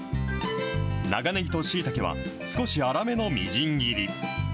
長ねぎとしいたけは、少し粗めのみじん切り。